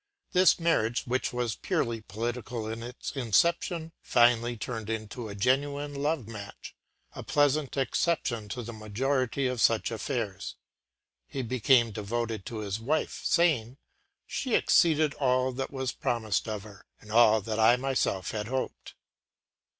This marriage, which was purely political in its inception, finally turned into a genuine love match a pleasant exception to the majority of such affairs. He became devoted to his wife, saying: “she exceeded all that was promised of her, and all that I myself had hoped.